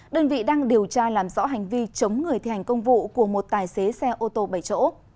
đơn vị đang điều tra làm rõ hành vi chống người thi hành công vụ của một tài xế xe ô tô bảy chỗ